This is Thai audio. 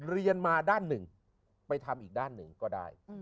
เรียนมาด้านหนึ่งไปทำอีกด้านหนึ่งก็ได้